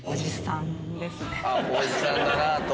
おじさんだなと。